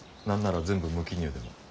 何なら全部無記入でも。